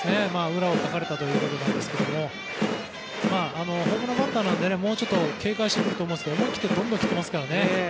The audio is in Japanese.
裏をかかれたということですけどホームランバッターなのでもうちょっと警戒してくると思うんですけど思い切ってどんどん振っていますからね。